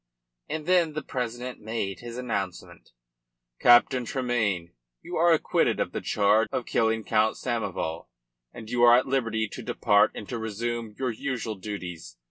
And then the president made his announcement "Captain Tremayne, you are acquitted of the charge of killing Count Samoval, and you are at liberty to depart and to resume your usual duties.